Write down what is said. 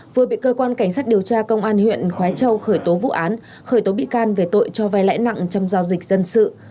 vừa bị cơ quan cảnh sát điều tra công an huyện khói châu khởi tố vụ án khởi tố bị can về tội cho vai lãi nặng trong giao dịch dân sự